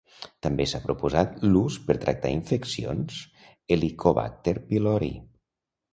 També s'ha proposat l'ús per tractar infeccions "Helicobacter pylori".